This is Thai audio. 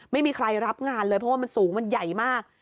ไม่มีใครรับงานเลยเพราะว่ามันสูงมันใหญ่มาก